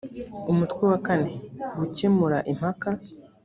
umutwe wa kane gukemura impaka